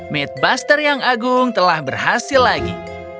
midbuster yang agung telah berhasil lagi